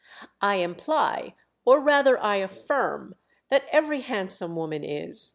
"I imply—or rather I affirm—that every handsome woman is!